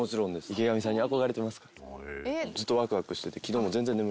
池上さんに憧れてますから。